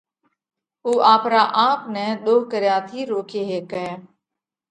اُو آپرا آپ نئہ ۮوه ڪريا ٿِي روڪي هيڪئه۔